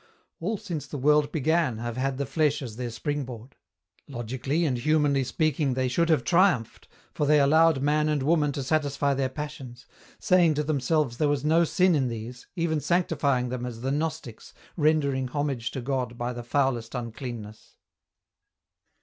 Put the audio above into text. All since the world began have had the flesh as their springboard. Logically and humanly speaking they should have triumphed, for they allowed man and woman to satisfy their passions, saying to themselves there was no sin in these, even sanctifying them as the Gnostics, rendering homage to God by the foulest un clean ness.